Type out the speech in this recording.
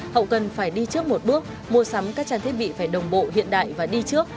hậu cần phải đi trước một bước mua sắm các trang thiết bị phải đồng bộ hiện đại và đi trước